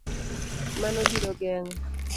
Mano biro geng'o